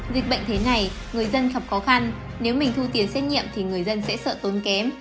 dịch bệnh thế này người dân gặp khó khăn nếu mình thu tiền xét nghiệm thì người dân sẽ sợ tốn kém